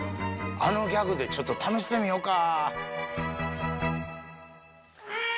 あのギャグでちょっと試してみようか。